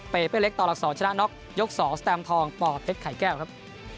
เปเป้เล็กต่อหลัก๒ชนะน็อกยก๒สแตมทองป่อเพชรไข่แก้วครับ